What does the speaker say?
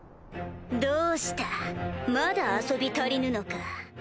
どうしたまだ遊び足りぬのか？